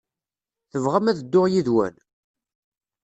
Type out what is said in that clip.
Tebɣam ad dduɣ yid-wen?